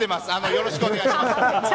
よろしくお願いします。